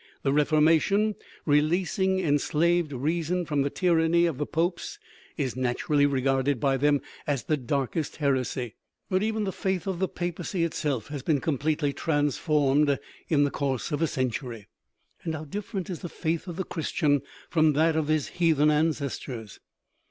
The Reformation, re leasing enslaved reason from the tyranny of the popes, is naturally regarded by them as darkest heresy ; but even the faith of the papacy itself had been completely transformed in the course of a century. And how dif ferent is the faith of the Christian from that of his heath en ancestors.